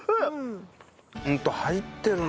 ホント入ってるね。